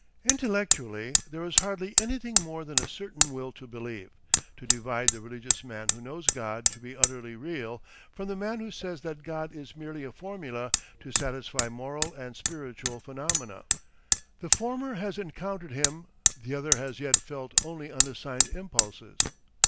Intellectually there is hardly anything more than a certain will to believe, to divide the religious man who knows God to be utterly real, from the man who says that God is merely a formula to satisfy moral and spiritual phenomena. The former has encountered him, the other has as yet felt only unassigned impulses.